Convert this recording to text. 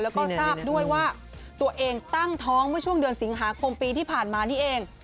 แล้วก็ทราบด้วยว่าตัวเองตั้งท้องเมื่อช่วงเดือนสิงหาคมปีที่ผ่านมานี่เอง